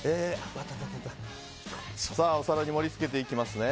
お皿に盛り付けていきますね。